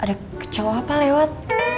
tadi ada kecowah pak lewat